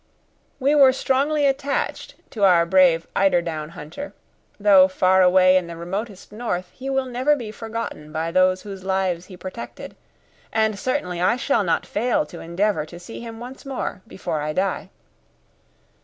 We were strongly attached to our brave eider down hunter; though far away in the remotest north, he will never be forgotten by those whose lives he protected, and certainly I shall not fail to endeavour to see him once more before I die.